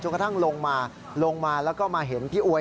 กระทั่งลงมาลงมาแล้วก็มาเห็นพี่อวย